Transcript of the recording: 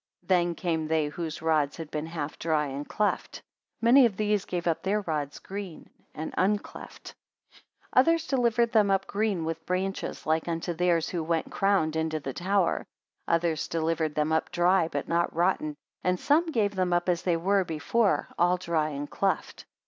Then came they whose rods had been half dry, and cleft: many of these gave up their rods green, and uncleft. 37 Others delivered them up green with branches, like unto theirs who went crowned into the tower. Others delivered them up dry, but not rotten; and some gave them up as they were before, all dry, and cleft.